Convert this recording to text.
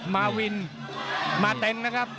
มาเฟิ่นมาเต็นข์นะครับ